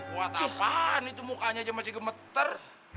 buat apaan itu mukanya aja masih gemeter